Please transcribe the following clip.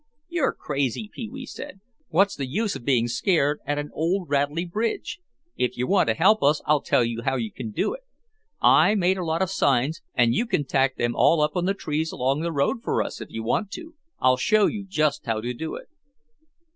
"You're crazy," Pee wee said. "What's the use of being scared at an old rattly bridge. If you want to help us I'll tell you how you can do it. I made a lot of signs and you can tack them all up on the trees along the road for us if you want to. I'll show you just how to do it."